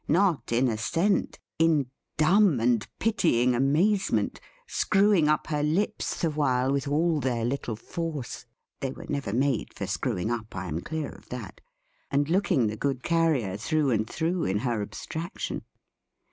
Not in assent: in dumb and pitying amazement; screwing up her lips, the while, with all their little force (they were never made for screwing up; I am clear of that), and looking the good Carrier through and through, in her abstraction.